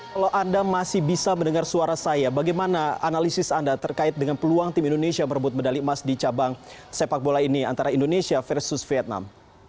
kalau anda masih bisa mendengar suara saya bagaimana analisis anda terkait dengan peluang tim indonesia merebut medali emas di cabang sepak bola ini antara indonesia versus vietnam